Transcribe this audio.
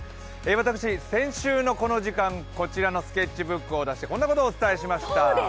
私、先週のこの時間、こちらのスケッチブックを出してこんなことをお伝えしました。